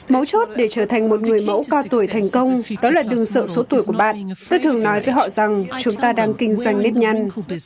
mấu chốt để trở thành một người mẫu cao tuổi thành công đó là đừng sợ số tuổi của bạn tôi thường nói với họ rằng chúng ta đang kinh doanh nếp nhăn